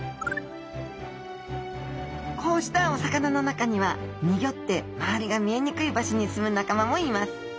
こうしたお魚の中にはにギョって周りが見えにくい場所に住む仲間もいます。